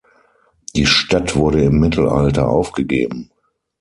Die Stadt wurde im Mittelalter aufgegeben.